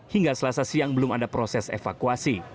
hingga selasa siang belum ada proses evakuasi